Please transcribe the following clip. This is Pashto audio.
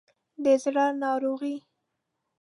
د زړه ناروغي